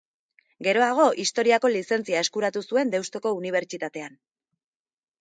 Geroago, Historiako lizentzia eskuratu zuen Deustuko Unibertsitatean.